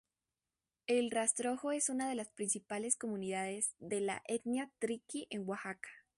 El Rastrojo es una de las principales comunidades de la etnia triqui en Oaxaca.